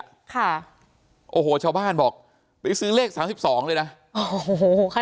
ค่ะโอ้โหชาวบ้านบอกไปซื้อเลขสามสิบสองเลยนะโอ้โหค่ะ